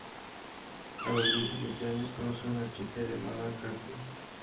A los diecisiete años, conoció a una chica llamada Cathy.